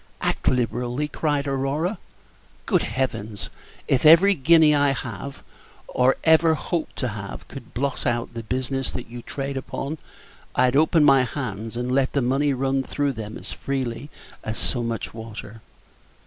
"Act liberally!" cried Aurora; "good Heavens! if every guinea I have, or ever hope to have, could blot out the business that you trade upon, I'd open my hands and let the money run through them as freely as so much water."